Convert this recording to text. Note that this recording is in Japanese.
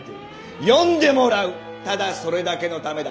ただそれだけのためだ。